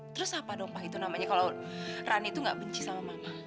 terus apa dong pak itu namanya kalau rani itu gak benci sama mama